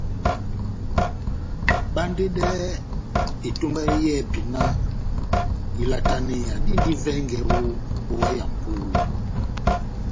Bandedɛhɛ etomba yɔ́ yɛ́hɛ́pi náh ilataneya dindi vɛngɛ ó mbówa ya mʼpolo !